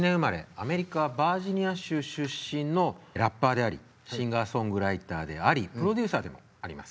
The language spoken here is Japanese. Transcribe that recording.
アメリカ・バージニア州出身のラッパーでありシンガーソングライターでありプロデューサーでもあります。